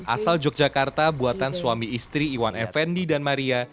asal yogyakarta buatan suami istri iwan effendi dan maria